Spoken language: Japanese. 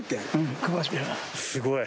すごい。